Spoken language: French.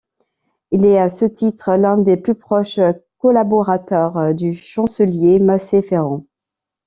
Il est à ce titre l'un des plus proches collaborateurs du chancelier Macé Ferrand.